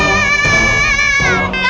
gak ada apa apa